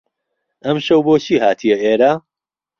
ئەمشەو بۆچی هاتیە ئێرە؟